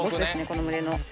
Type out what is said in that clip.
この群れの。